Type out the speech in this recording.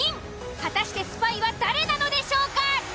果たしてスパイは誰なのでしょうか？